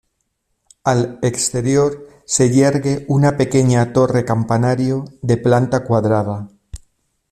Al exterior se yergue una pequeña torre-campanario de planta cuadrada.